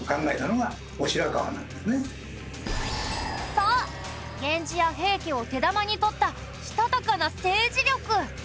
そう源氏や平家を手玉に取ったしたたかな政治力。